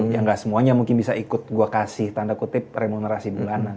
ya gak semuanya mungkin bisa ikut gue kasih tanda kutip remunerasi bulanan